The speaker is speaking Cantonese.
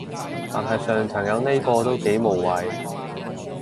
但係上層有呢個都幾無謂